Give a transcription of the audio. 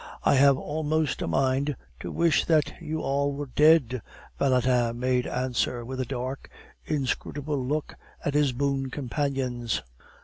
"I have almost a mind to wish that you all were dead," Valentin made answer, with a dark, inscrutable look at his boon companions.